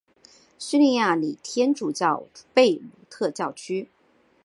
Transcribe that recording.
叙利亚礼天主教贝鲁特教区。